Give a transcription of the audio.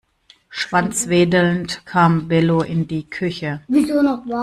Schwanzwedelnd kam Bello in die Küche.